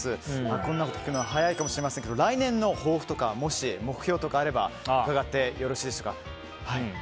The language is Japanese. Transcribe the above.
こんなことを聞くのは早いかもしれませんが来年の抱負とか目標とかあればうかがってよろしいですか？